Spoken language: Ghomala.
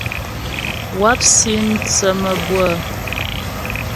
Wáp si mthə́ mabʉə́ə.